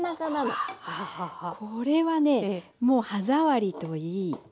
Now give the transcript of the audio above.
これはねもう歯触りといい。